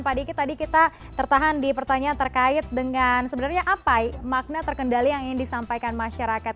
pak diki tadi kita tertahan di pertanyaan terkait dengan sebenarnya apa makna terkendali yang ingin disampaikan masyarakat